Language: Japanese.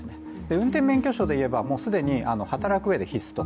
運転免許証でいえば、既に働くうえで必須と。